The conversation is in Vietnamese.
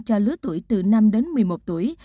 cho lứa tuổi từ năm đến một mươi một tuổi